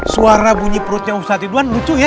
suara bunyi perutnya ustadz ridwan lucu ya